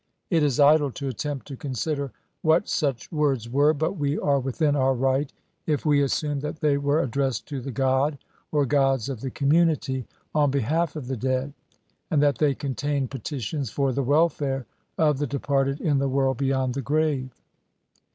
It is idle to attempt to consider what such words were, but we are within our right if we assume that they were addressed to the god or gods of the community on behalf of the dead, and that they contained petitions for the welfare of the departed in the world beyond the grave.